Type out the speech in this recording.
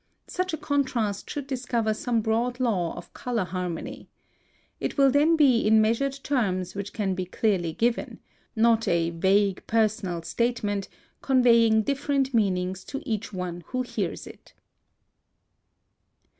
Such a contrast should discover some broad law of color harmony. It will then be in measured terms which can be clearly given; not a vague personal statement, conveying different meanings to each one who hears it.